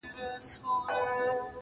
گل وي ياران وي او سايه د غرمې.